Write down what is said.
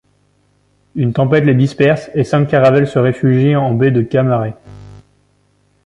Une tempête les disperse et cinq caravelles se réfugient en baie de Camaret.